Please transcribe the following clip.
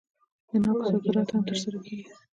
د ناکو صادرات هم ترسره کیږي.